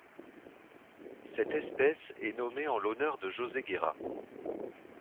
Cette espèce est nommée en l'honneur de José Guerra.